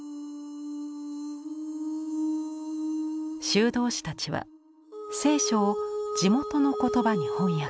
修道士たちは聖書を地元の言葉に翻訳。